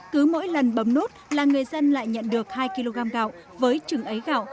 cứ mỗi lần bấm nút là người dân lại nhận được hai kg gạo với chừng ấy gạo